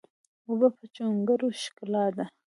اوبه د جونګړو ښکلا ده.